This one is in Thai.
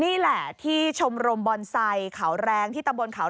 นี่แหละที่ชมรมบอนไซค์เขาแรงที่ตำบลเขา